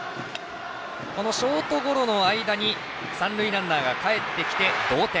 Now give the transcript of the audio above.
このショートゴロの間に三塁ランナーがかえってきて同点。